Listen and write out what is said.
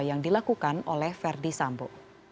yang dilakukan oleh ferdi sampo